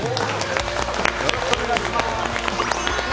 よろしくお願いします。